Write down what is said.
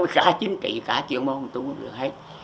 để có cả chính kỷ cả chuyện môn tôi huấn luyện hết